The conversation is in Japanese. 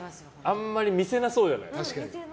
あんまり見せなそうじゃない。